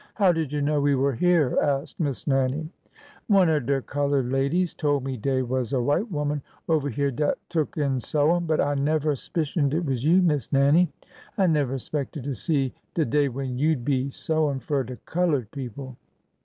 " How did you know we were here ?" asked Miss Nannie. " One er de colored ladies tole me dey was a white ; woman over here dat tuk in sewin', but I never 'spicioned it was you. Miss Nannie. I never 'spected to see de day when you 'd be sewin' fur de colored people